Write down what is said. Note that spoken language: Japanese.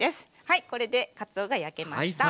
はいこれでかつおが焼けました。